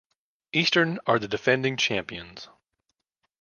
Eastern are the defending champions.